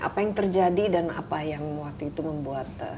apa yang terjadi dan apa yang waktu itu membuat